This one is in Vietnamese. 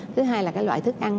thứ hai là loại thức ăn